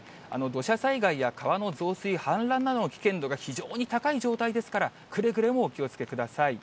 土砂災害や川の増水、氾濫などの危険度が非常に高い状態ですから、くれぐれもお気をつけください。